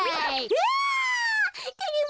うわ。